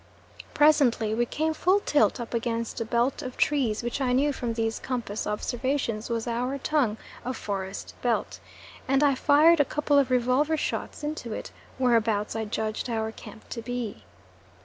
Presently we came full tilt up against a belt of trees which I knew from these compass observations was our tongue of forest belt, and I fired a couple of revolver shots into it, whereabouts I judged our camp to be.